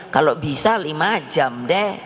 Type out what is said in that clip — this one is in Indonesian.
kalau bisa lima jam deh